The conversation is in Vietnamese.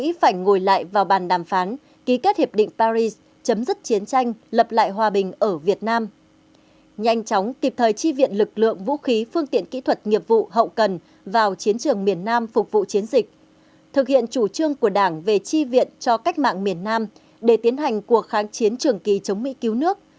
mỹ phải ngồi lại vào bàn đàm phán ký kết hiệp định paris chấm dứt chiến tranh lập lại hòa bình ở việt nam nhanh chóng kịp thời chi viện lực lượng vũ khí phương tiện kỹ thuật nghiệp vụ hậu cần vào chiến trường miền nam phục vụ chiến dịch thực hiện chủ trương của đảng về chi viện cho cách mạng miền nam để tiến hành cuộc kháng chiến trường kỳ chống mỹ cứu nước